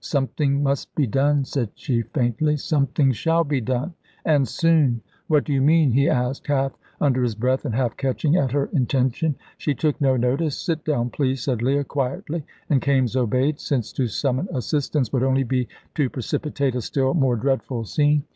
"Something must be done," said she, faintly "something shall be done, and soon." "What do you mean?" he asked, half under his breath, and half catching at her intention. She took no notice. "Sit down, please!" said Leah, quietly, and Kaimes obeyed, since to summon assistance would only be to precipitate a still more dreadful scene.